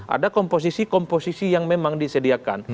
ada komposisi komposisi yang memang disediakan